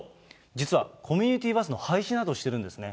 実はコミュニティーバスの廃止などをしてるんですね。